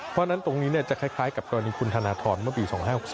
เพราะฉะนั้นตรงนี้จะคล้ายกับกรณีคุณธนทรเมื่อปี๒๕๖๒